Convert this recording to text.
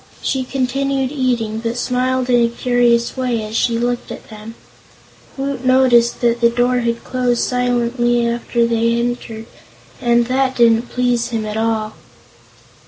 She continued eating, but smiled in a curious way as she looked at them. Woot noticed that the door had closed silently after they had entered, and that didn't please him at all.